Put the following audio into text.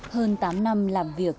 hơn tám năm làm việc